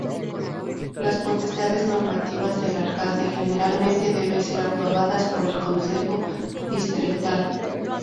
Las potestades normativas del alcalde generalmente debe ser aprobadas por el Consejo Distrital.